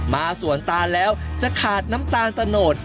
มาส่วนตาแล้วจะขาดน้ำตาลตะโนด